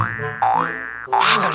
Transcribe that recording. ini juga deh